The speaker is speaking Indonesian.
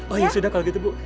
oh ya sudah kalau gitu bu